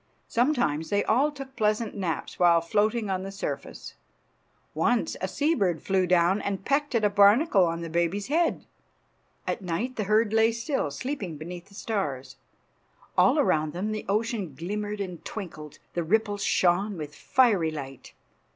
Sometimes they all took pleasant naps while floating on the surface. Once a sea bird flew down and pecked at a barnacle on the baby's head. At night the herd lay still, sleeping beneath the stars. All around them the ocean glimmered and twinkled. The ripples shone with fiery light.